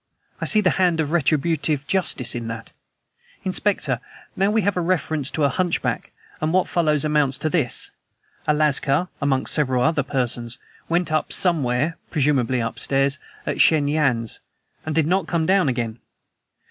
I see the hand of retributive justice in that, Inspector. Now we have a reference to a hunchback, and what follows amounts to this: A lascar (amongst several other persons) went up somewhere presumably upstairs at Shen Yan's, and did not come down again.